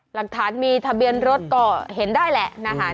หลักฐานมีทะเบียนรถก็เห็นได้แหละนะคะ